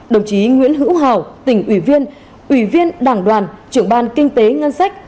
đồng chí nguyễn hữu hào tỉnh ủy viên ủy viên đảng đoàn trưởng ban kinh tế ngân sách